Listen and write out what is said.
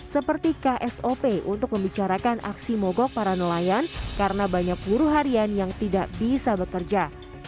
seperti ksop untuk membicarakan aksi mogok para nelayan karena banyak buruh harian yang tidak bisa bekerja